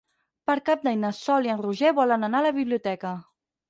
Per Cap d'Any na Sol i en Roger volen anar a la biblioteca.